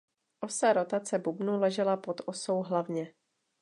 Osa rotace bubnu ležela pod osou hlavně.